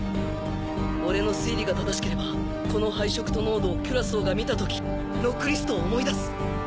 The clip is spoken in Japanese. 俺の推理が正しければこの配色と濃度をキュラソーが見た時ノックリストを思い出す